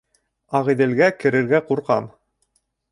Ағиҙелгә керергә ҡурҡам.